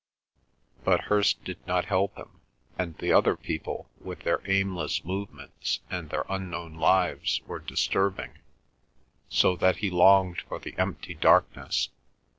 But Hirst did not help him, and the other people with their aimless movements and their unknown lives were disturbing, so that he longed for the empty darkness.